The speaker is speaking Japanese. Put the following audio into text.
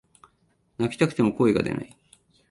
泣きたくても声が出ない